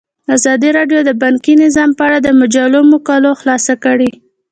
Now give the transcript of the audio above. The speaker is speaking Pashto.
ازادي راډیو د بانکي نظام په اړه د مجلو مقالو خلاصه کړې.